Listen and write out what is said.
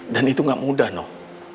dan itu gak mudah